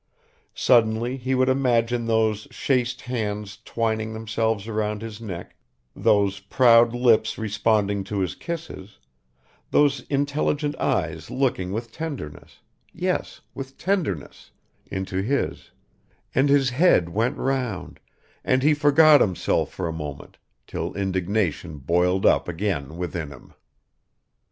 Suddenly he would imagine those chaste hands twining themselves around his neck, those proud lips responding to his kisses, those intelligent eyes looking with tenderness yes, with tenderness into his, and his head went round, and he forgot himself for a moment, till indignation boiled up again within him.